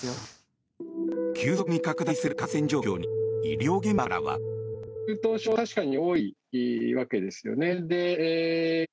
急速に拡大する感染状況に医療現場からは。